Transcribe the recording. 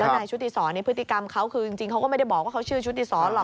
นายชุติศรพฤติกรรมเขาคือจริงเขาก็ไม่ได้บอกว่าเขาชื่อชุติศรหรอก